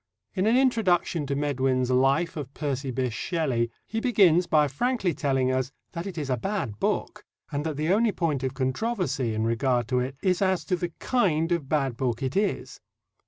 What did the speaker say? In an introduction to Medwin's Life of Percy Bysshe Shelley he begins by frankly telling us that it is a bad book, and that the only point of controversy in regard to it is as to the kind of bad book it is.